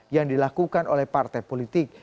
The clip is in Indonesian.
yang dilakukan oleh partai politik